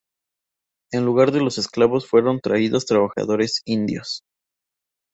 En lugar de los esclavos fueron traídos trabajadores indios.